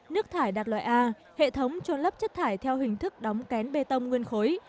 nước thải đạt loại a hệ thống trôn lấp chất thải theo hình thức đóng kén bê tông nguyên khối